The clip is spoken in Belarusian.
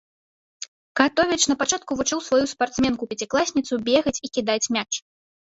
Катовіч, напачатку вучыў сваю спартсменку-пяцікласніцу бегаць і кідаць мяч.